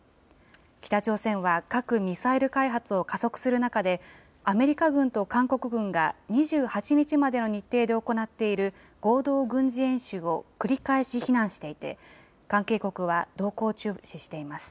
北朝鮮は核・ミサイル開発を加速する中で、アメリカ軍と韓国軍が、２８日までの日程で行っている合同軍事演習を繰り返し非難していて、関係国は動向を注視しています。